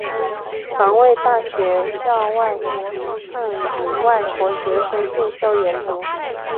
防卫大学校开放予外国学生进修研读。